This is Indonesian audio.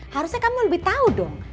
harusnya kamu lebih tahu dong